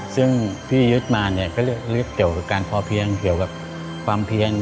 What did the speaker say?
ซึ่งพี่ยุทธ์มาเนี่ยก็ยึดเกี่ยวกับการพอเพียงเกี่ยวกับความเพียน